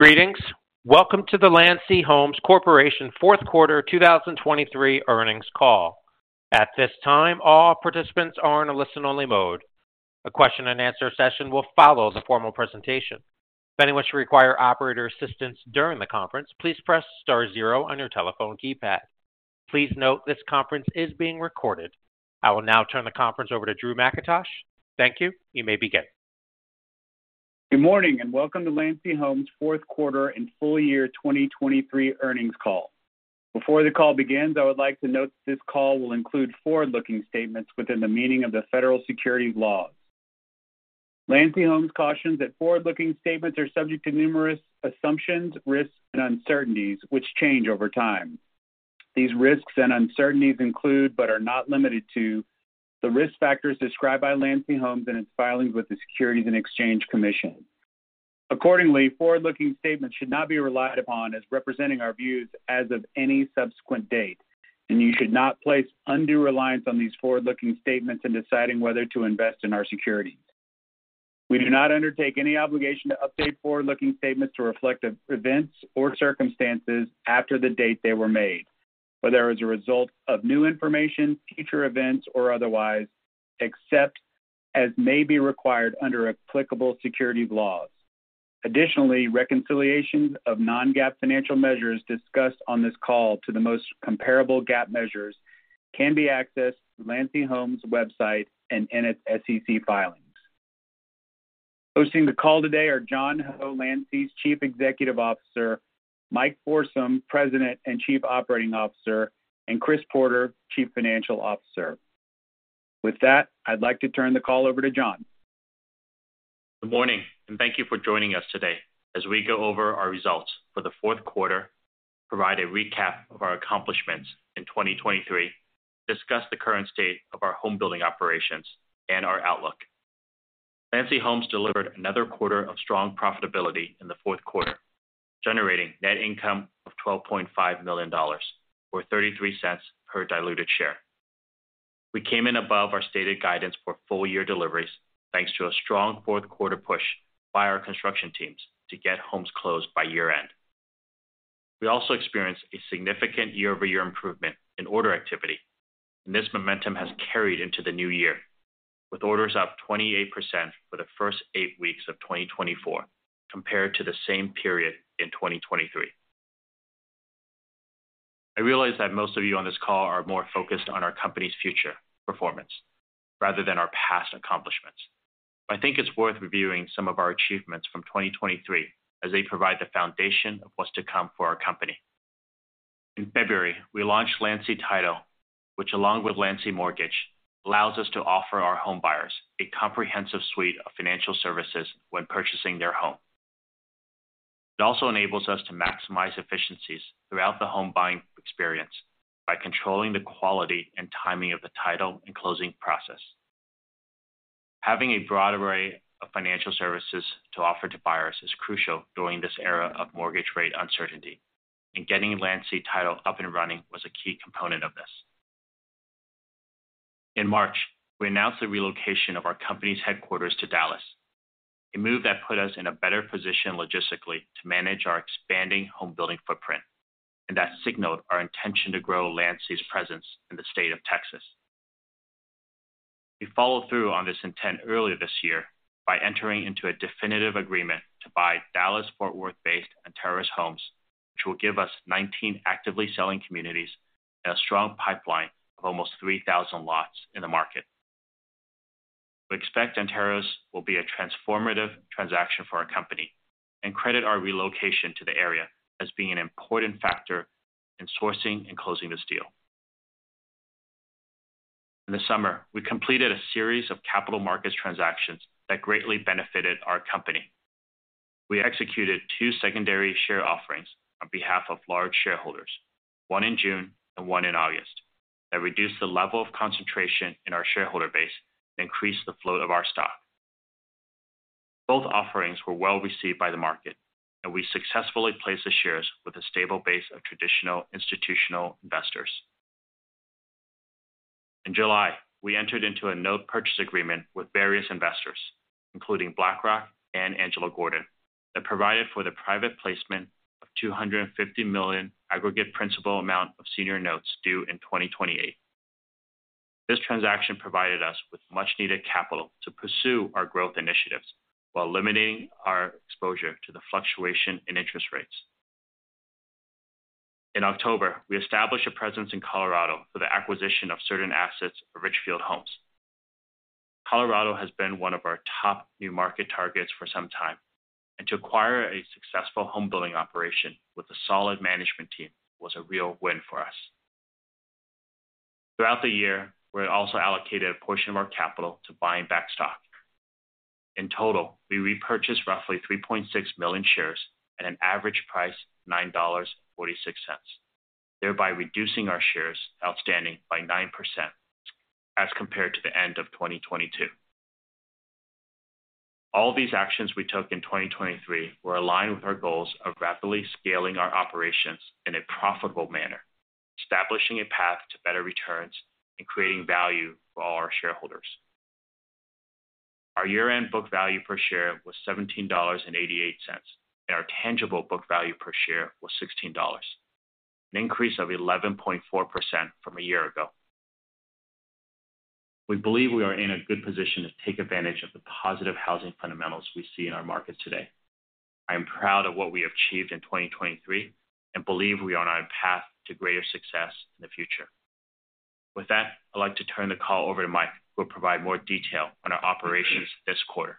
Greetings! Welcome to the Landsea Homes Corporation fourth quarter 2023 earnings call. At this time, all participants are in a listen-only mode. A question-and-answer session will follow the formal presentation. If anyone should require operator assistance during the conference, please press star zero on your telephone keypad. Please note, this conference is being recorded. I will now turn the conference over to Drew Mackintosh. Thank you. You may begin. Good morning, and welcome to Landsea Homes' fourth quarter and full year 2023 earnings call. Before the call begins, I would like to note that this call will include forward-looking statements within the meaning of the federal securities laws. Landsea Homes cautions that forward-looking statements are subject to numerous assumptions, risks, and uncertainties, which change over time. These risks and uncertainties include, but are not limited to, the risk factors described by Landsea Homes in its filings with the Securities and Exchange Commission. Accordingly, forward-looking statements should not be relied upon as representing our views as of any subsequent date, and you should not place undue reliance on these forward-looking statements in deciding whether to invest in our securities. We do not undertake any obligation to update forward-looking statements to reflect the events or circumstances after the date they were made, whether as a result of new information, future events, or otherwise, except as may be required under applicable securities laws. Additionally, reconciliations of non-GAAP financial measures discussed on this call to the most comparable GAAP measures can be accessed through Landsea Homes' website and in its SEC filings. Hosting the call today are John Ho, Landsea's Chief Executive Officer, Mike Forsum, President and Chief Operating Officer, and Chris Porter, Chief Financial Officer. With that, I'd like to turn the call over to John. Good morning, and thank you for joining us today as we go over our results for the fourth quarter, provide a recap of our accomplishments in 2023, discuss the current state of our home-building operations and our outlook. Landsea Homes delivered another quarter of strong profitability in the fourth quarter, generating net income of $12.5 million, or $0.33 per diluted share. We came in above our stated guidance for full-year deliveries, thanks to a strong fourth-quarter push by our construction teams to get homes closed by year-end. We also experienced a significant year-over-year improvement in order activity, and this momentum has carried into the new year, with orders up 28% for the first eight weeks of 2024, compared to the same period in 2023. I realize that most of you on this call are more focused on our company's future performance rather than our past accomplishments. I think it's worth reviewing some of our achievements from 2023, as they provide the foundation of what's to come for our company. In February, we launched Landsea Title, which, along with Landsea Mortgage, allows us to offer our homebuyers a comprehensive suite of financial services when purchasing their home. It also enables us to maximize efficiencies throughout the home buying experience by controlling the quality and timing of the title and closing process. Having a broad array of financial services to offer to buyers is crucial during this era of mortgage rate uncertainty, and getting Landsea Title up and running was a key component of this. In March, we announced the relocation of our company's headquarters to Dallas, a move that put us in a better position logistically to manage our expanding home-building footprint and that signaled our intention to grow Landsea's presence in the state of Texas. We followed through on this intent earlier this year by entering into a definitive agreement to buy Dallas-Fort Worth-based Antares Homes, which will give us 19 actively selling communities and a strong pipeline of almost 3,000 lots in the market. We expect Antares will be a transformative transaction for our company and credit our relocation to the area as being an important factor in sourcing and closing this deal. In the summer, we completed a series of capital markets transactions that greatly benefited our company. We executed two secondary share offerings on behalf of large shareholders, one in June and one in August, that reduced the level of concentration in our shareholder base and increased the flow of our stock. Both offerings were well received by the market, and we successfully placed the shares with a stable base of traditional institutional investors. In July, we entered into a note purchase agreement with various investors, including BlackRock and Angelo Gordon, that provided for the private placement of $250 million aggregate principal amount of senior notes due in 2028. This transaction provided us with much-needed capital to pursue our growth initiatives while limiting our exposure to the fluctuation in interest rates. In October, we established a presence in Colorado for the acquisition of certain assets of Richfield Homes. Colorado has been one of our top new market targets for some time, and to acquire a successful home-building operation with a solid management team was a real win for us. Throughout the year, we also allocated a portion of our capital to buying back stock. In total, we repurchased roughly 3.6 million shares at an average price of $9.46, thereby reducing our shares outstanding by 9% as compared to the end of 2022. All these actions we took in 2023 were aligned with our goals of rapidly scaling our operations in a profitable manner, establishing a path to better returns, and creating value for all our shareholders. Our year-end book value per share was $17.88, and our tangible book value per share was $16, an increase of 11.4% from a year ago. We believe we are in a good position to take advantage of the positive housing fundamentals we see in our market today. I am proud of what we achieved in 2023, and believe we are on our path to greater success in the future. With that, I'd like to turn the call over to Mike, who will provide more detail on our operations this quarter.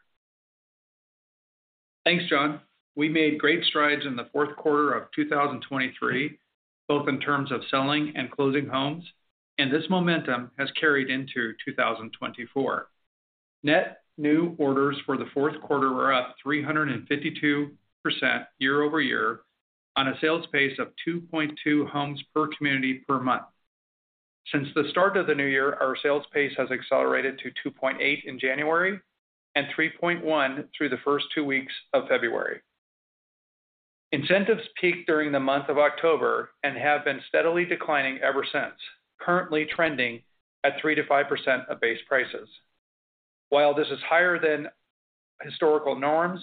Thanks, John. We made great strides in the fourth quarter of 2023, both in terms of selling and closing homes, and this momentum has carried into 2024. Net new orders for the fourth quarter were up 352% year-over-year on a sales pace of 2.2 homes per community per month. Since the start of the new year, our sales pace has accelerated to 2.8 in January and 3.1 through the first two weeks of February. Incentives peaked during the month of October and have been steadily declining ever since, currently trending at 3%-5% of base prices. While this is higher than historical norms,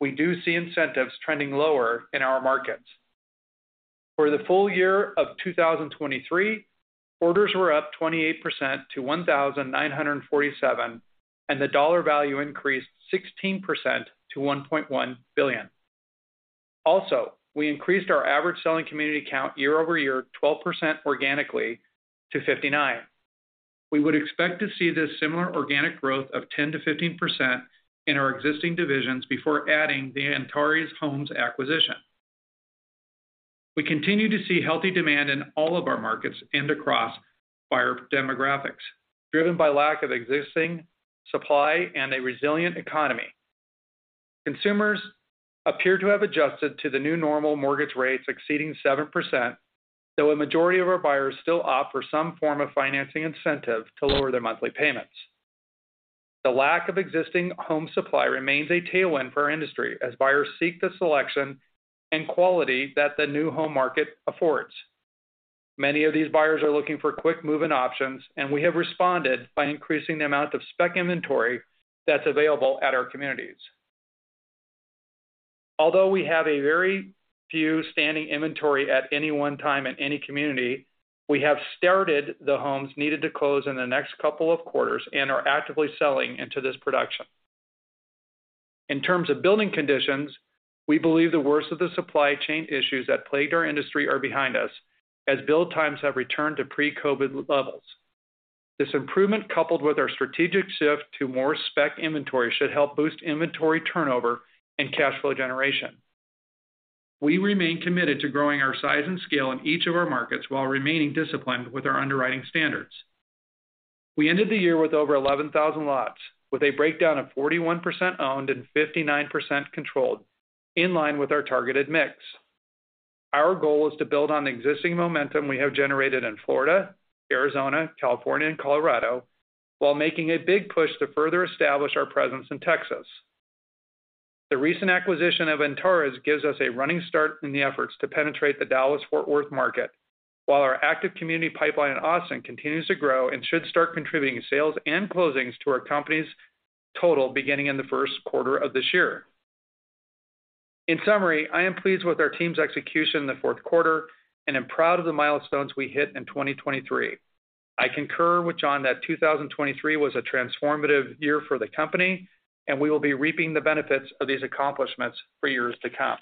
we do see incentives trending lower in our markets. For the full year of 2023, orders were up 28% to 1,947, and the dollar value increased 16% to $1.1 billion. Also, we increased our average selling community count year-over-year, 12% organically to 59. We would expect to see this similar organic growth of 10%-15% in our existing divisions before adding the Antares Homes acquisition. We continue to see healthy demand in all of our markets and across buyer demographics, driven by lack of existing supply and a resilient economy. Consumers appear to have adjusted to the new normal mortgage rates exceeding 7%, though a majority of our buyers still opt for some form of financing incentive to lower their monthly payments. The lack of existing home supply remains a tailwind for our industry, as buyers seek the selection and quality that the new home market affords. Many of these buyers are looking for quick move-in options, and we have responded by increasing the amount of Spec Inventory that's available at our communities. Although we have a very few standing inventory at any one time in any community, we have started the homes needed to close in the next couple of quarters and are actively selling into this production. In terms of building conditions, we believe the worst of the supply chain issues that plagued our industry are behind us, as build times have returned to pre-COVID levels. This improvement, coupled with our strategic shift to more Spec Inventory, should help boost inventory turnover and cash flow generation. We remain committed to growing our size and scale in each of our markets while remaining disciplined with our underwriting standards. We ended the year with over 11,000 lots, with a breakdown of 41% owned and 59% controlled, in line with our targeted mix. Our goal is to build on the existing momentum we have generated in Florida, Arizona, California, and Colorado, while making a big push to further establish our presence in Texas. The recent acquisition of Antares gives us a running start in the efforts to penetrate the Dallas-Fort Worth market, while our active community pipeline in Austin continues to grow and should start contributing sales and closings to our company's total beginning in the first quarter of this year. In summary, I am pleased with our team's execution in the fourth quarter and am proud of the milestones we hit in 2023. I concur with John that 2023 was a transformative year for the company, and we will be reaping the benefits of these accomplishments for years to come.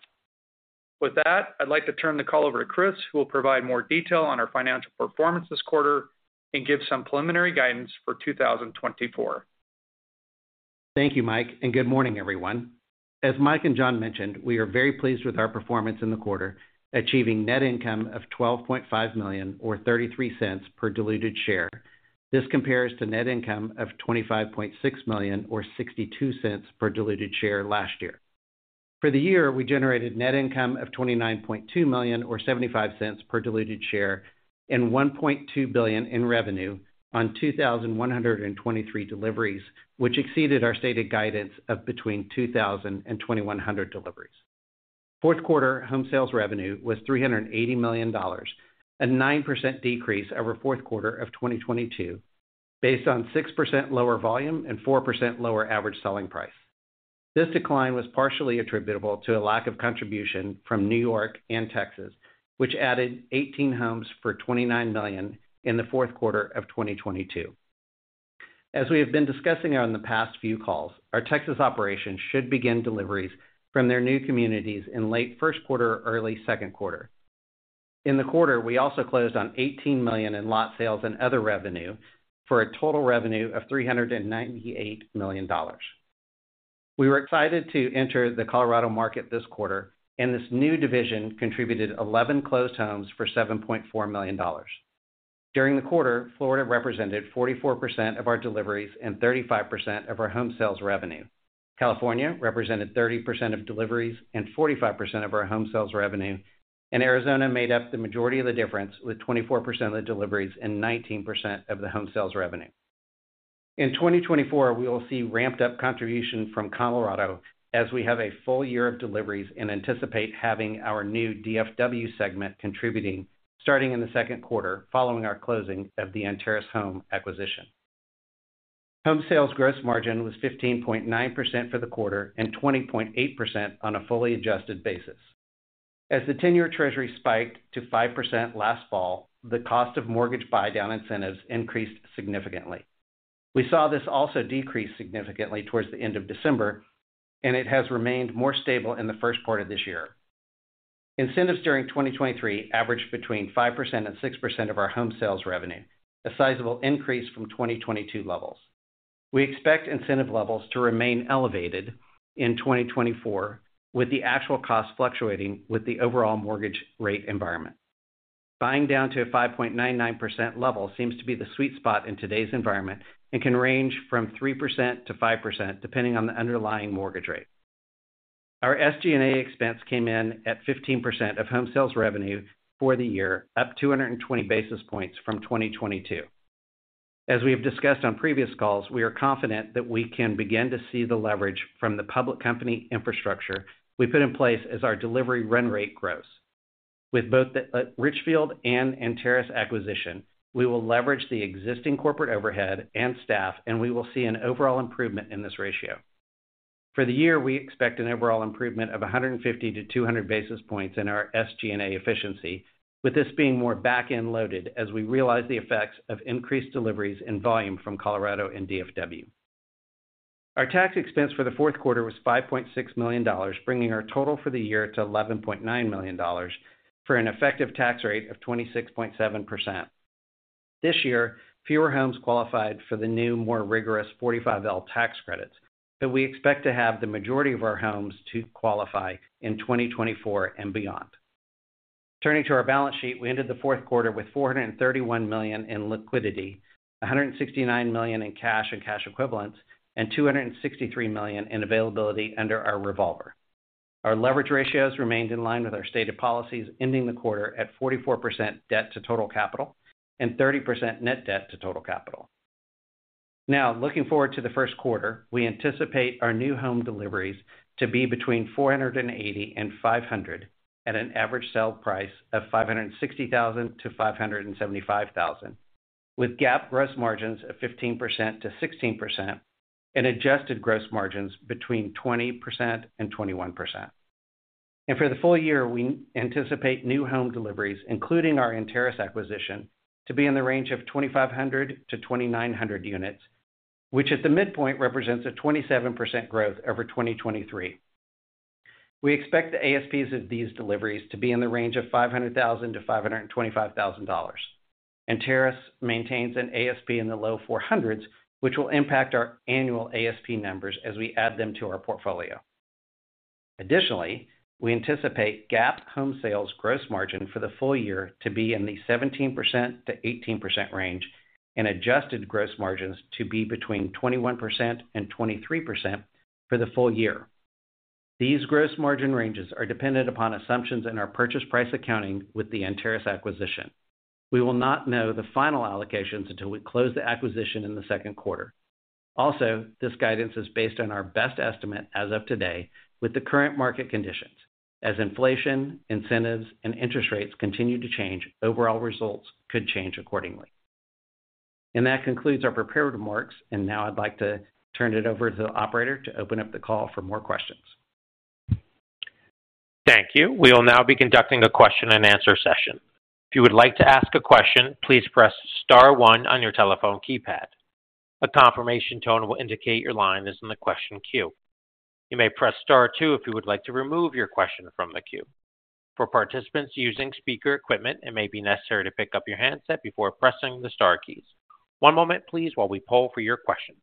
With that, I'd like to turn the call over to Chris, who will provide more detail on our financial performance this quarter and give some preliminary guidance for 2024. Thank you, Mike, and good morning, everyone. As Mike and John mentioned, we are very pleased with our performance in the quarter, achieving net income of $12.5 million or $0.33 per diluted share. This compares to net income of $25.6 million or $0.62 per diluted share last year. For the year, we generated net income of $29.2 million or $0.75 per diluted share, and $1.2 billion in revenue on 2,123 deliveries, which exceeded our stated guidance of between 2,000 and 2,100 deliveries. Fourth quarter home sales revenue was $380 million, a 9% decrease over fourth quarter of 2022, based on 6% lower volume and 4% lower average selling price. This decline was partially attributable to a lack of contribution from New York and Texas, which added 18 homes for $29 million in the fourth quarter of 2022. As we have been discussing on the past few calls, our Texas operations should begin deliveries from their new communities in late first quarter or early second quarter. In the quarter, we also closed on $18 million in lot sales and other revenue, for a total revenue of $398 million. We were excited to enter the Colorado market this quarter, and this new division contributed 11 closed homes for $7.4 million. During the quarter, Florida represented 44% of our deliveries and 35% of our home sales revenue. California represented 30% of deliveries and 45% of our home sales revenue, and Arizona made up the majority of the difference, with 24% of the deliveries and 19% of the home sales revenue. In 2024, we will see ramped up contribution from Colorado as we have a full year of deliveries and anticipate having our new DFW segment contributing starting in the second quarter, following our closing of the Antares Homes acquisition. Home sales gross margin was 15.9% for the quarter and 20.8% on a fully adjusted basis. As the ten-year treasury spiked to 5% last fall, the cost of mortgage buydown incentives increased significantly. We saw this also decrease significantly towards the end of December, and it has remained more stable in the first quarter of this year. Incentives during 2023 averaged between 5% and 6% of our home sales revenue, a sizable increase from 2022 levels. We expect incentive levels to remain elevated in 2024, with the actual cost fluctuating with the overall mortgage rate environment. Buying down to a 5.99% level seems to be the sweet spot in today's environment and can range from 3% to 5%, depending on the underlying mortgage rate. Our SG&A expense came in at 15% of home sales revenue for the year, up 220 basis points from 2022. As we have discussed on previous calls, we are confident that we can begin to see the leverage from the public company infrastructure we put in place as our delivery run rate grows. With both the Richfield and Antares acquisition, we will leverage the existing corporate overhead and staff, and we will see an overall improvement in this ratio. For the year, we expect an overall improvement of 150-200 basis points in our SG&A efficiency, with this being more back-end loaded as we realize the effects of increased deliveries in volume from Colorado and DFW. Our tax expense for the fourth quarter was $5.6 million, bringing our total for the year to $11.9 million, for an effective tax rate of 26.7%. This year, fewer homes qualified for the new, more rigorous 45L tax credits, but we expect to have the majority of our homes to qualify in 2024 and beyond. Turning to our balance sheet, we ended the fourth quarter with $431 million in liquidity, $169 million in cash and cash equivalents, and $263 million in availability under our revolver. Our leverage ratios remained in line with our stated policies, ending the quarter at 44% debt to total capital and 30% net debt to total capital. Now, looking forward to the first quarter, we anticipate our new home deliveries to be between 480 and 500, at an average sale price of $560,000-$575,000, with GAAP gross margins of 15%-16% and adjusted gross margins between 20% and 21%. For the full year, we anticipate new home deliveries, including our Antares acquisition, to be in the range of 2,500-2,900 units, which at the midpoint, represents a 27% growth over 2023. We expect the ASPs of these deliveries to be in the range of $500,000-$525,000. Antares maintains an ASP in the low $400,000s, which will impact our annual ASP numbers as we add them to our portfolio. Additionally, we anticipate GAAP home sales gross margin for the full year to be in the 17%-18% range, and adjusted gross margins to be between 21% and 23% for the full year. These gross margin ranges are dependent upon assumptions in our purchase price accounting with the Antares acquisition. We will not know the final allocations until we close the acquisition in the second quarter. Also, this guidance is based on our best estimate as of today, with the current market conditions. As inflation, incentives, and interest rates continue to change, overall results could change accordingly. That concludes our prepared remarks, and now I'd like to turn it over to the operator to open up the call for more questions. Thank you. We will now be conducting a question and answer session. If you would like to ask a question, please press star one on your telephone keypad. A confirmation tone will indicate your line is in the question queue. You may press star two if you would like to remove your question from the queue. For participants using speaker equipment, it may be necessary to pick up your handset before pressing the star keys. One moment, please, while we poll for your questions.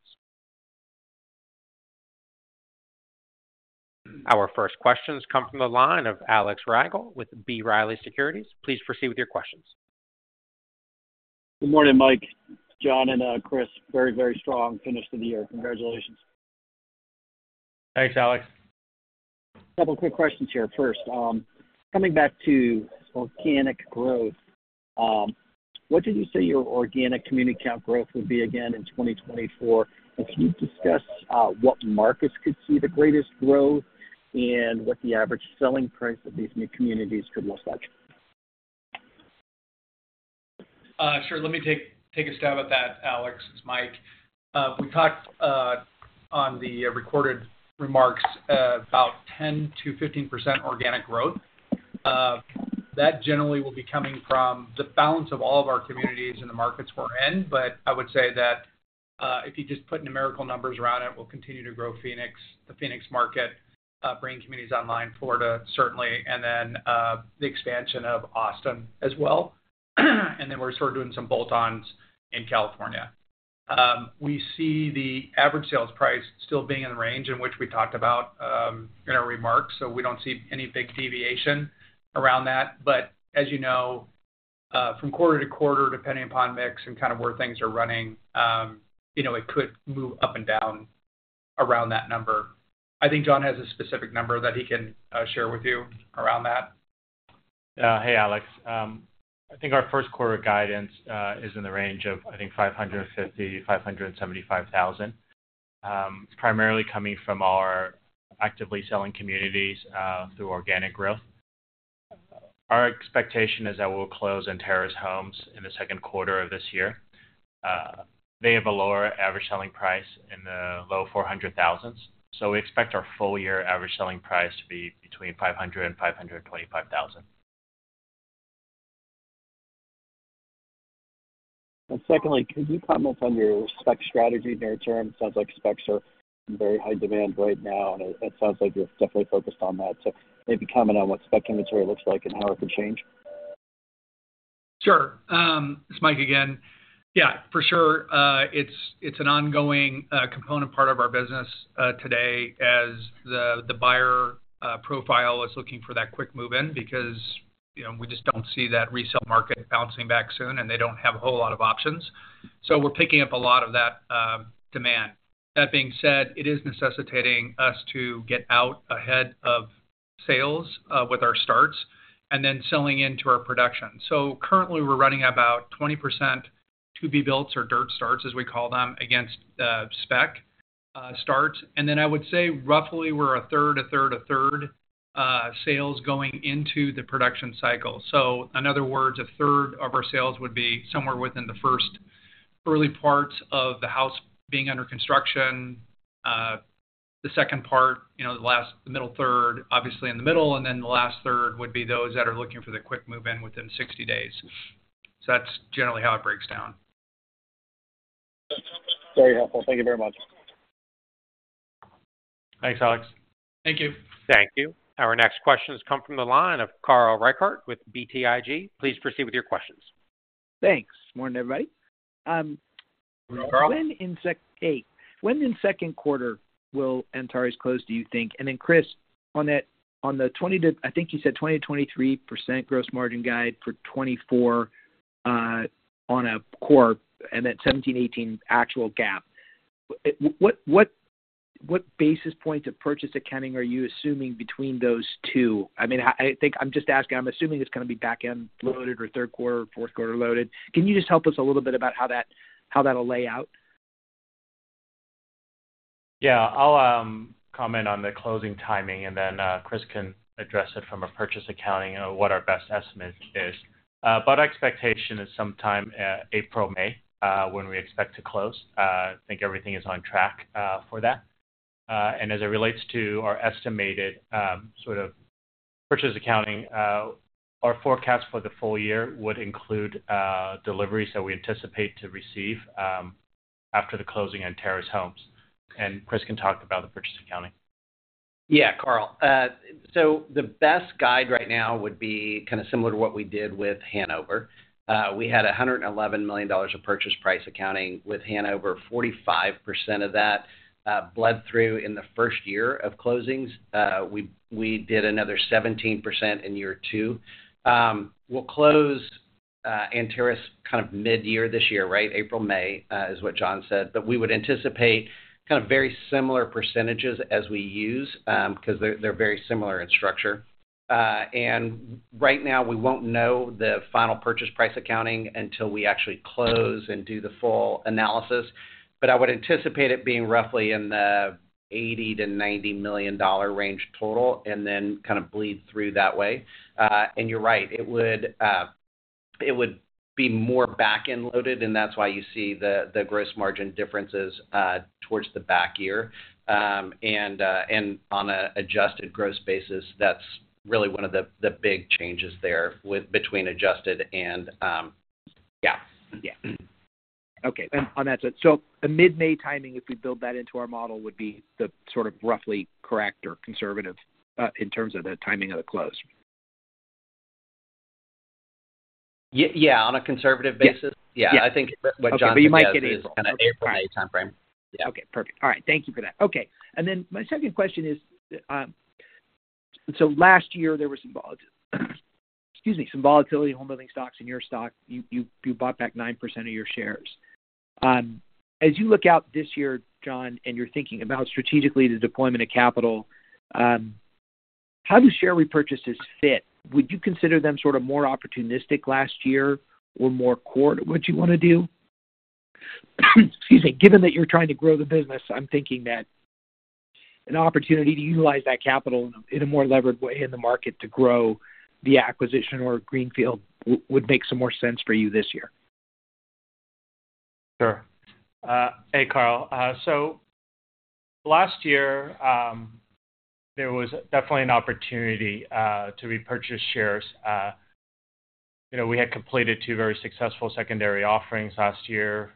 Our first questions come from the line of Alex Rygiel with B. Riley Securities. Please proceed with your questions. Good morning, Mike, John, and Chris. Very, very strong finish to the year. Congratulations. Thanks, Alex. Couple quick questions here. First, coming back to organic growth, what did you say your organic community count growth would be again in 2024? And can you discuss what markets could see the greatest growth and what the average selling price of these new communities could look like? Sure. Let me take, take a stab at that, Alex. It's Mike. We talked on the recorded remarks about 10%-15% organic growth. That generally will be coming from the balance of all of our communities in the markets we're in. But I would say that, if you just put numerical numbers around it, we'll continue to grow Phoenix, the Phoenix market, bringing communities online, Florida, certainly, and then the expansion of Austin as well. Then we're sort of doing some bolt-ons in California. We see the average sales price still being in the range in which we talked about in our remarks, so we don't see any big deviation around that. But as you know, from quarter to quarter, depending upon mix and kind of where things are running, you know, it could move up and down around that number. I think John has a specific number that he can share with you around that. Hey, Alex. I think our first quarter guidance is in the range of, I think, $550 thousand-$575 thousand. It's primarily coming from our actively selling communities through organic growth. Our expectation is that we'll close Antares Homes in the second quarter of this year. They have a lower average selling price in the low $400 thousands, so we expect our full year average selling price to be between $500 thousand and $525 thousand. And secondly, could you comment on your spec strategy near term? It sounds like specs are in very high demand right now, and it, it sounds like you're definitely focused on that. So maybe comment on what spec inventory looks like and how it could change. Sure. It's Mike again. Yeah, for sure, it's an ongoing component part of our business today as the buyer profile is looking for that quick move-in, because, you know, we just don't see that resale market bouncing back soon, and they don't have a whole lot of options. So we're picking up a lot of that demand. That being said, it is necessitating us to get out ahead of sales with our starts and then selling into our production. So currently, we're running about 20% to-be-builts or dirt starts, as we call them, against spec starts. And then I would say roughly we're a third, a third, a third sales going into the production cycle. So in other words, a third of our sales would be somewhere within the first early parts of the house being under construction. The second part, you know, the middle third, obviously in the middle, and then the last third would be those that are looking for the quick move-in within 60 days. So that's generally how it breaks down. Very helpful. Thank you very much. Thanks, Alex. Thank you. Thank you. Our next question has come from the line of Carl Reichardt with BTIG. Please proceed with your questions. Thanks. Morning, everybody. Good morning, Carl. Hey, when in second quarter will Antares close, do you think? And then, Chris, on that, on the 20%-23% gross margin guide for 2024, on a core and that 17-18 actual gap. What basis points of purchase accounting are you assuming between those two? I mean, I think I'm just asking, I'm assuming it's gonna be back-end loaded or third quarter, fourth quarter loaded. Can you just help us a little bit about how that, how that'll lay out? Yeah, I'll comment on the closing timing, and then Chris can address it from a purchase accounting and what our best estimate is. But our expectation is sometime April, May, when we expect to close. I think everything is on track for that. And as it relates to our estimated sort of purchase accounting, our forecast for the full year would include deliveries that we anticipate to receive after the closing Antares Homes. And Chris can talk about the purchase accounting. Yeah, Carl. So the best guide right now would be kind of similar to what we did with Hanover. We had $111 million of purchase price accounting with Hanover. 45% of that bled through in the first year of closings. We did another 17% in year two. We'll close Antares kind of mid-year this year, right? April, May is what John said. But we would anticipate kind of very similar percentages as we use because they're very similar in structure. And right now, we won't know the final purchase price accounting until we actually close and do the full analysis. But I would anticipate it being roughly in the $80-$90 million range total, and then kind of bleed through that way. And you're right, it would be more back-end loaded, and that's why you see the gross margin differences towards the back year. And on a adjusted gross basis, that's really one of the big changes there with between adjusted and yeah. Yeah. Okay. And on that, so the mid-May timing, if we build that into our model, would be the sort of roughly correct or conservative in terms of the timing of the close? Yeah, on a conservative basis- Yeah. Yeah, I think what John said is- Okay, but you might get it. Kind of April, May timeframe. Yeah. Okay, perfect. All right. Thank you for that. Okay, and then my second question is, so last year there was some volatility in homebuilding stocks in your stock. You bought back 9% of your shares. As you look out this year, John, and you're thinking about strategically the deployment of capital, how do share repurchases fit? Would you consider them sort of more opportunistic last year or more core to what you want to do? Excuse me. Given that you're trying to grow the business, I'm thinking that an opportunity to utilize that capital in a more levered way in the market to grow the acquisition or greenfield would make some more sense for you this year. Sure. Hey, Carl. So last year, there was definitely an opportunity to repurchase shares. You know, we had completed two very successful secondary offerings last year,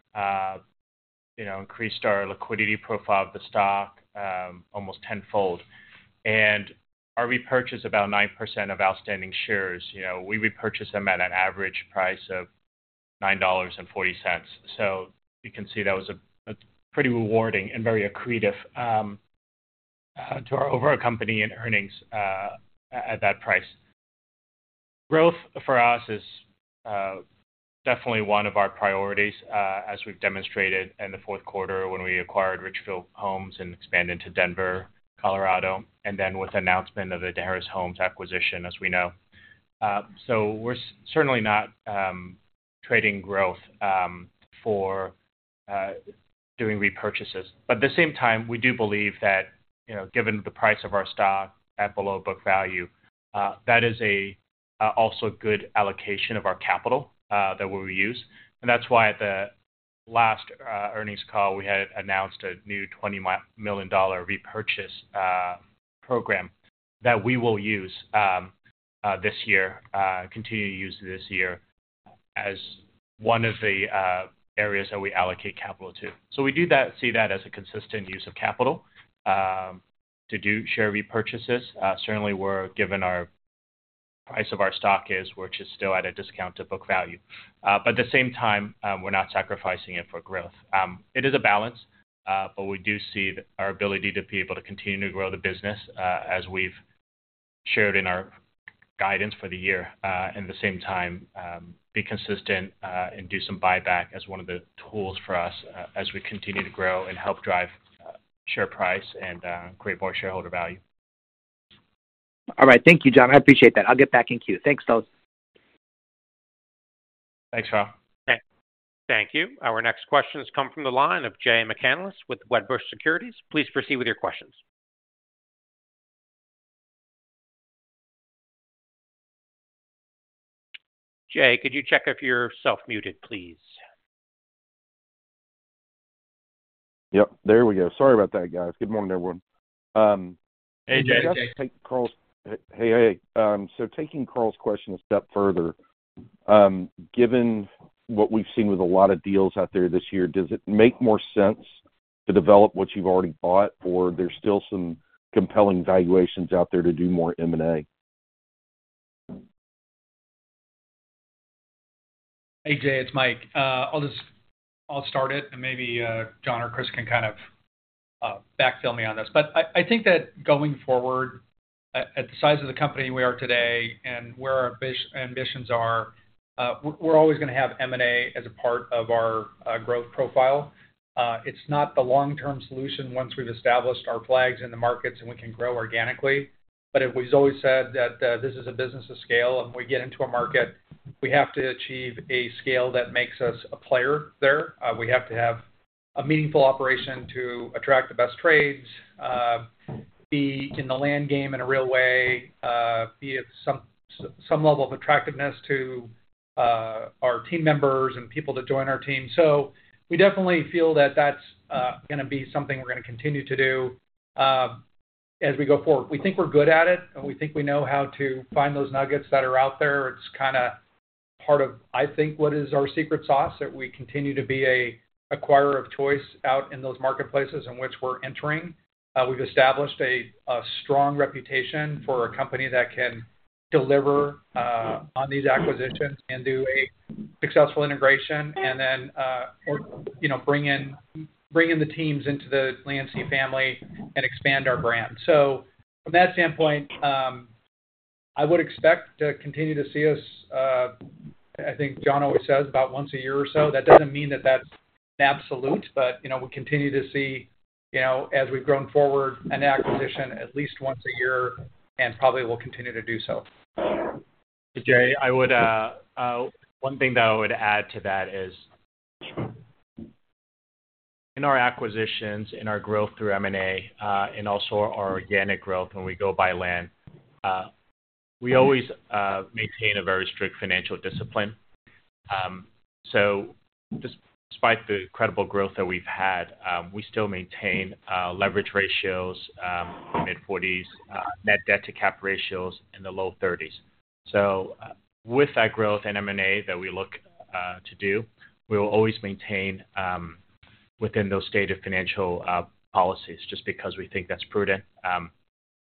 you know, increased our liquidity profile of the stock, almost tenfold. And our repurchase about 9% of outstanding shares, you know, we repurchased them at an average price of $9.40. So you can see that was a pretty rewarding and very accretive to our overall company and earnings at that price. Growth for us is definitely one of our priorities, as we've demonstrated in the fourth quarter when we acquired Richfield Homes and expanded to Denver, Colorado, and then with the announcement of the Antares Homes acquisition, as we know. So we're certainly not trading growth for doing repurchases. But at the same time, we do believe that, you know, given the price of our stock at below book value, that is also a good allocation of our capital that we use. And that's why at the last earnings call, we had announced a new $20 million repurchase program that we will use this year, continue to use this year as one of the areas that we allocate capital to. So we do that we see that as a consistent use of capital to do share repurchases. Certainly, we're given our price of our stock is, which is still at a discount to book value. But at the same time, we're not sacrificing it for growth. It is a balance, but we do see our ability to be able to continue to grow the business, as we've shared in our guidance for the year, at the same time, be consistent, and do some buyback as one of the tools for us, as we continue to grow and help drive share price and create more shareholder value. All right. Thank you, John. I appreciate that. I'll get back in queue. Thanks, folks. Thanks. Thank you. Our next questions come from the line of Jay McCanless with Wedbush Securities. Please proceed with your questions. Jay, could you check if you're self muted, please? Yep, there we go. Sorry about that, guys. Good morning, everyone. Hey, Jay. Carl. Hey, hey. So taking Carl's question a step further, given what we've seen with a lot of deals out there this year, does it make more sense to develop what you've already bought, or there's still some compelling valuations out there to do more M&A? Hey, Jay, it's Mike. I'll just start it and maybe John or Chris can kind of backfill me on this. But I think that going forward, at the size of the company we are today and where our ambitions are, we're always gonna have M&A as a part of our growth profile. It's not the long-term solution once we've established our flags in the markets and we can grow organically. But it was always said that this is a business of scale, and we get into a market, we have to achieve a scale that makes us a player there. We have to have a meaningful operation to attract the best trades, be in the land game in a real way, be at some level of attractiveness to our team members and people to join our team. So we definitely feel that that's gonna be something we're gonna continue to do as we go forward. We think we're good at it, and we think we know how to find those nuggets that are out there. It's kinda part of, I think, what is our secret sauce, that we continue to be an acquirer of choice out in those marketplaces in which we're entering. We've established a strong reputation for a company that can deliver on these acquisitions and do a successful integration and then or you know bring in the teams into the Landsea family and expand our brand. So from that standpoint, I would expect to continue to see us. I think John always says about once a year or so. That doesn't mean that that's absolute, but you know we continue to see you know as we've grown forward an acquisition at least once a year, and probably will continue to do so. Hey, Jay, I would, one thing that I would add to that is, in our acquisitions, in our growth through M&A, and also our organic growth when we go buy land, we always maintain a very strict financial discipline. So despite the incredible growth that we've had, we still maintain leverage ratios mid-40s%, net debt to cap ratios in the low 30s%. So with that growth in M&A that we look to do, we will always maintain within those stated financial policies, just because we think that's prudent.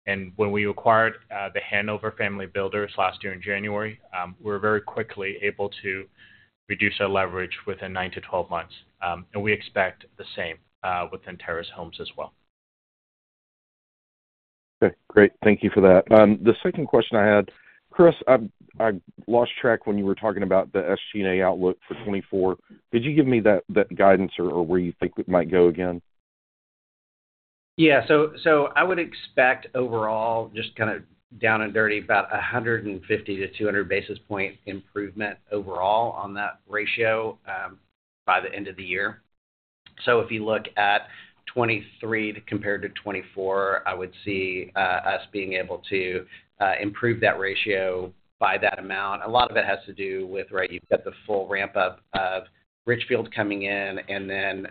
And when we acquired the Hanover Family Builders last year in January, we were very quickly able to reduce our leverage within 9-12 months. And we expect the same within Antares Homes as well. Okay, great. Thank you for that. The second question I had, Chris, I lost track when you were talking about the SG&A outlook for 2024. Could you give me that guidance or where you think it might go again? Yeah. So I would expect overall, just kinda down and dirty, about 150-200 basis point improvement overall on that ratio by the end of the year. So if you look at 2023 compared to 2024, I would see us being able to improve that ratio by that amount. A lot of it has to do with, right, you've got the full ramp-up of Richfield coming in, and then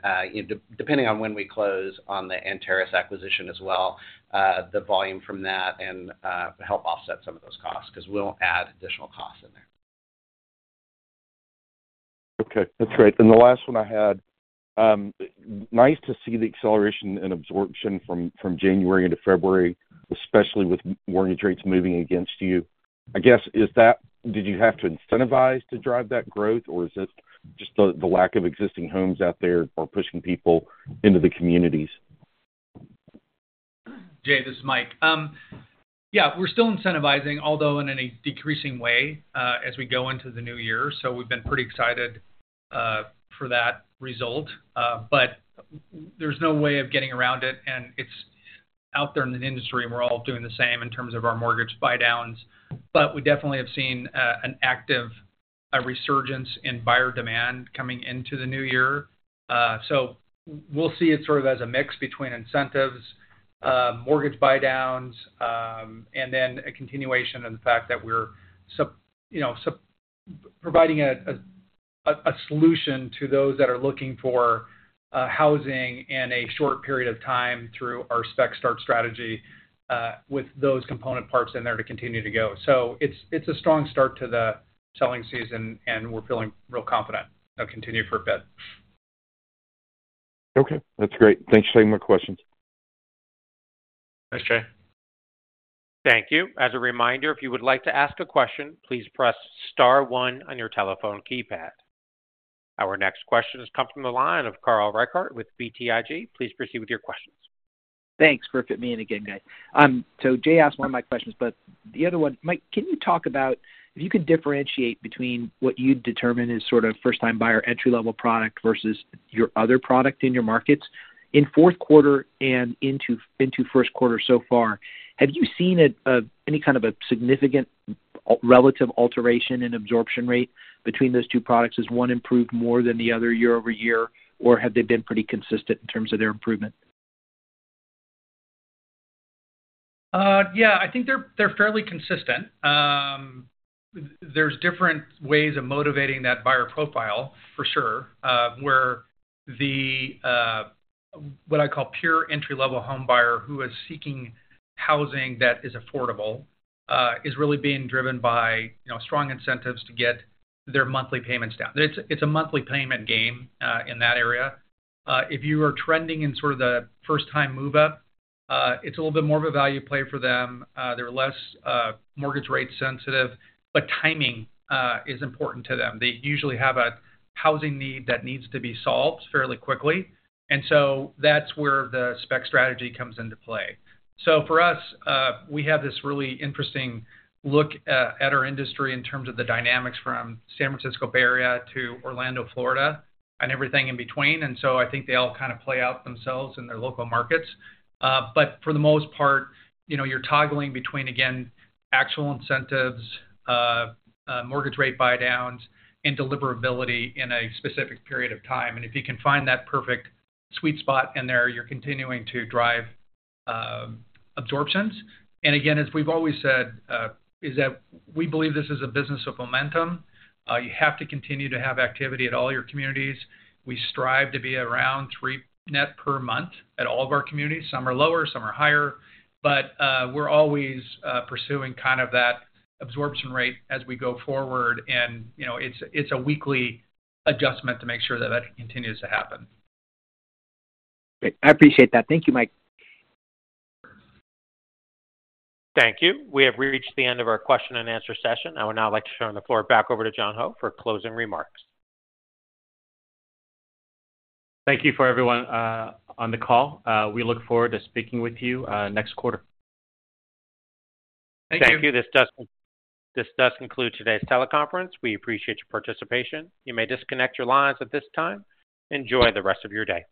depending on when we close on the Antares acquisition as well, the volume from that and help offset some of those costs, 'cause we'll add additional costs in there. Okay, that's great. Then the last one I had, nice to see the acceleration and absorption from January into February, especially with mortgage rates moving against you. I guess, is that-did you have to incentivize to drive that growth, or is it just the lack of existing homes out there are pushing people into the communities? Jay, this is Mike. Yeah, we're still incentivizing, although in a decreasing way, as we go into the new year, so we've been pretty excited for that result. But there's no way of getting around it, and it's out there in the industry, and we're all doing the same in terms of our mortgage buydowns. But we definitely have seen an active resurgence in buyer demand coming into the new year. So we'll see it sort of as a mix between incentives, mortgage buydowns, and then a continuation of the fact that we're you know providing a solution to those that are looking for housing in a short period of time through our spec start strategy, with those component parts in there to continue to go. So it's a strong start to the selling season, and we're feeling real confident it'll continue for a bit. Okay, that's great. Thanks for taking my questions. Thanks, Jay. Thank you. As a reminder, if you would like to ask a question, please press star one on your telephone keypad. Our next question has come from the line of Carl Reichardt with BTIG. Please proceed with your questions. Thanks for fitting me in again, guys. So Jay asked one of my questions, but the other one... Mike, can you talk about if you could differentiate between what you determine is sort of first-time buyer, entry-level product versus your other product in your markets? In fourth quarter and into first quarter so far, have you seen it, any kind of a significant relative alteration in absorption rate between those two products? Has one improved more than the other year-over-year, or have they been pretty consistent in terms of their improvement? Yeah, I think they're fairly consistent. There's different ways of motivating that buyer profile for sure, where the, what I call pure entry-level homebuyer, who is seeking housing that is affordable, is really being driven by, you know, strong incentives to get their monthly payments down. It's a monthly payment game in that area. If you are trending in sort of the first time move up, it's a little bit more of a value play for them. They're less mortgage rate sensitive, but timing is important to them. They usually have a housing need that needs to be solved fairly quickly, and so that's where the spec strategy comes into play. So for us, we have this really interesting look at our industry in terms of the dynamics from San Francisco Bay Area to Orlando, Florida, and everything in between. And so I think they all kind of play out themselves in their local markets. But for the most part, you know, you're toggling between, again, actual incentives, mortgage rate buydowns, and deliverability in a specific period of time. And if you can find that perfect sweet spot in there, you're continuing to drive absorptions. And again, as we've always said, is that we believe this is a business of momentum. You have to continue to have activity at all your communities. We strive to be around 3 net per month at all of our communities. Some are lower, some are higher, but we're always pursuing kind of that absorption rate as we go forward. And, you know, it's a weekly adjustment to make sure that that continues to happen. Great. I appreciate that. Thank you, Mike. Thank you. We have reached the end of our question and answer session. I would now like to turn the floor back over to John Ho for closing remarks. Thank you for everyone on the call. We look forward to speaking with you next quarter. Thank you. Thank you. This does conclude today's teleconference. We appreciate your participation. You may disconnect your lines at this time. Enjoy the rest of your day.